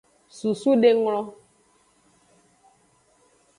Susudenglo.